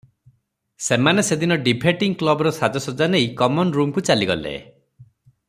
ସେମାନେ ସେଦିନ ଡିଭେଟିଙ୍ଗ୍ କ୍ଲବର ସାଜ ସଜ୍ଜା ନେଇ କମନ୍ ରୁମକୁ ଚାଲି ଗଲେ ।